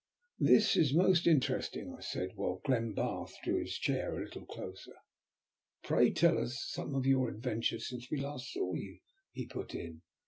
"This is most interesting," I said, while Glenbarth drew his chair a little closer. "Pray tell us some of your adventures since we last saw you," he put in.